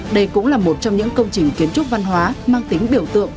đây cũng là một trong những công trình kiến trúc văn hóa mang tính biểu tượng